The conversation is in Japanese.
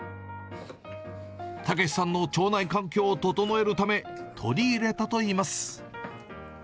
たけしさんの腸内環境を整えるため、取り入れたといいます。